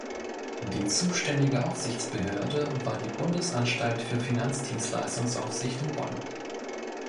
Die zuständige Aufsichtsbehörde war die Bundesanstalt für Finanzdienstleistungsaufsicht in Bonn.